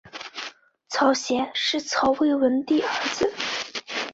曹协是曹魏文帝儿子。